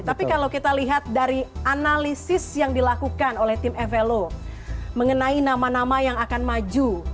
tapi kalau kita lihat dari analisis yang dilakukan oleh tim evelo mengenai nama nama yang akan maju